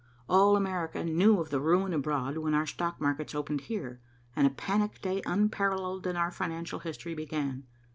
All America knew of the ruin abroad when our stock markets opened here, and a panic day unparalleled in our financial history began.